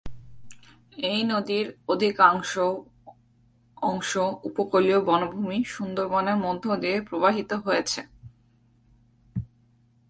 এই নদীর অধিকাংশ অংশ উপকূলীয় বনভূমি সুন্দরবনের মধ্য দিয়ে প্রবাহিত হয়েছে।